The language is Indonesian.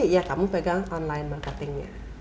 ya kamu pegang online marketingnya